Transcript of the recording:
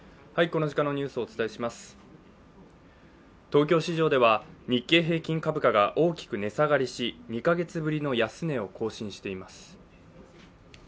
東京市場では日経平均株価が大きく値下がりし２か月ぶりの安値を更新しています。